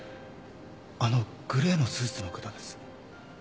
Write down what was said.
あのグレーのスーツの方です。